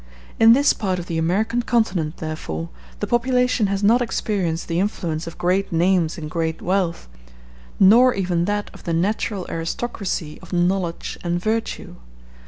In this part of the American continent, therefore, the population has not experienced the influence of great names and great wealth, nor even that of the natural aristocracy of knowledge and virtue.